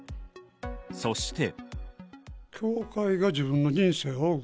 そして。